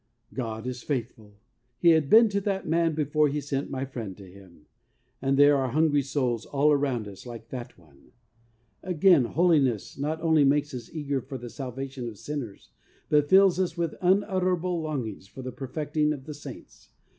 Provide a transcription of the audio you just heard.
God is faithful ; He had been to that HOLINESS AND ZEAL FOR SOULS 7 1 man before He sent my friend to him. And there are hungry souls all around us like that one. Again, Holiness not only makes us eager for the Salvation of sinners, but fills us with unutterable longings for the perfecting of the saints.